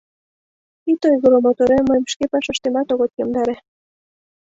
Ит ойгыро, моторем, мыйым шке пашаштемат огыт йомдаре.